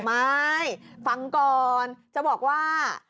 ไม่ฟังก่อนจะบอกว่า